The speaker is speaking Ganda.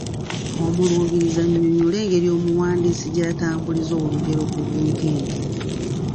Omuluubirizi annyonnyole engeri omuwandiisi gy’atambuliza olugero ku bunkenke.